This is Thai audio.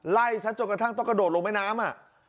ไล่ซะจนกระทั่งต้องกระโดดลงไปน้ำอ่ะ